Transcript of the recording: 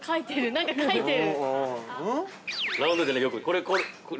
◆何か書いてる。